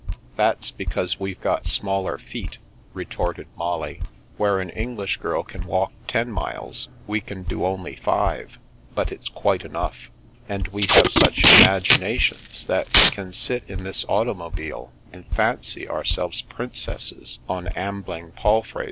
" That's because we've got smaller feet,'' retorted Molly. " Where an English girl can walk ten miles we can do only five, but it's quite enough. And we have such imaginations that we can sit in this auto The World without the Boy 337 mobile and fancy ourselves priacesses on ambling palfreys."